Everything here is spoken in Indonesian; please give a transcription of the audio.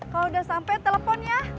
kalau sudah sampai telepon ya